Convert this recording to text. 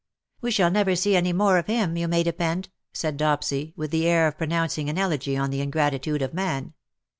" "We shall never see any more of him, you may depend,^^ said Dopsy, with the air of pronouncing an elegy on the ingratitude of man.